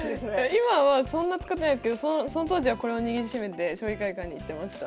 今はそんな使ってないですけどその当時はこれを握りしめて将棋会館に行ってました。